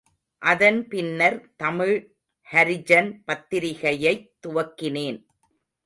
அதன் பின்னர் தமிழ் ஹரிஜன் பத்திரிகையைத் துவக்கினேன்.